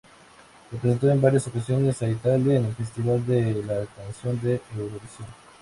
Representó en varias ocasiones a Italia en el Festival de la Canción de Eurovisión.